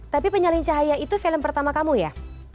tapi penyalin cahaya itu film pertama kamu ya